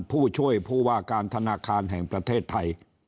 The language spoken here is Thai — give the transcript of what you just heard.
ผู้ช่วยผู้ว่าการธนาคารแห่งประเทศไทย